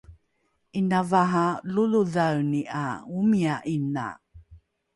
’ina vaha lolodhaeni ’a omia ’ina